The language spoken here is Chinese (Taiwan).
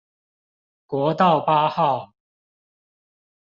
國道八號